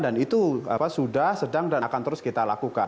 dan itu sudah sedang dan akan terus kita lakukan